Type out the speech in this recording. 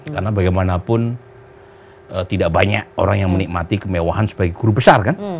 karena bagaimanapun tidak banyak orang yang menikmati kemewahan sebagai guru besar